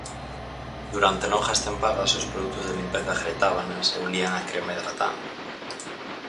Durante longas tempadas, os produtos de limpeza gretábanas e ulían a crema hidratante.